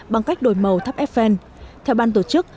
bằng cách đổi màu tháp eiffel theo ban tổ chức